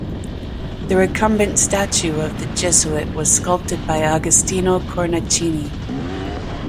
The recumbent statue of the Jesuit was sculpted by Agostino Cornacchini.